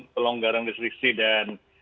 pelonggaran restriksi dan